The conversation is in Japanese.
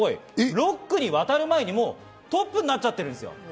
６区に渡る前にトップになっちゃってるんですよ。